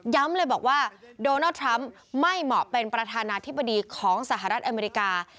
เลยบอกว่าโดนัลด์ทรัมป์ไม่เหมาะเป็นประธานาธิบดีของสหรัฐอเมริกา